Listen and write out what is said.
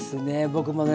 僕もね